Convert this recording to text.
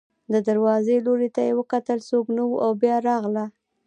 د دروازې لوري ته یې وکتل، څوک نه و او بیا راغله.